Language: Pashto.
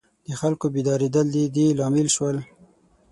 د خلکو بیدارېدل د دې لامل شول.